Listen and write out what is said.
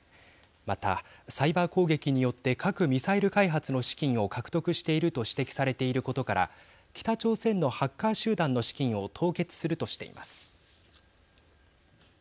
また、サイバー攻撃によって核・ミサイル開発の資金を獲得していると指摘されていることから北朝鮮のハッカー集団の資金を凍結するとしています。